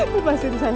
bukan sedih sangat pak